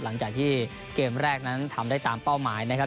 หลังจากที่เกมแรกนั้นทำได้ตามเป้าหมายนะครับ